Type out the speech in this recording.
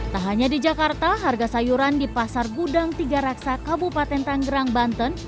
tak hanya di jakarta harga sayuran di pasar gudang tiga raksa kabupaten tanggerang banten